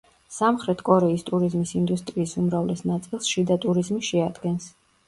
სამხრეთ კორეის ტურიზმის ინდუსტრიის უმრავლეს ნაწილს შიდა ტურიზმი შეადგენს.